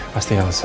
pasti yang sesuai